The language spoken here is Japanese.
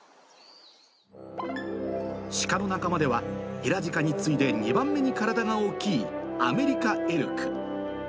鹿の仲間では、ヘラジカに次いで２番目に体が大きいアメリカエルク。